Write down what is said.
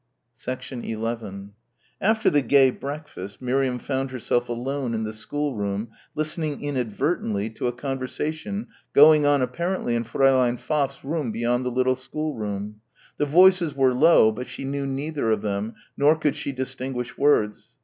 11 After the gay breakfast Miriam found herself alone in the schoolroom listening inadvertently to a conversation going on apparently in Fräulein Pfaff's room beyond the little schoolroom. The voices were low, but she knew neither of them, nor could she distinguish words.